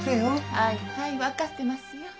はいはい分かってますよ。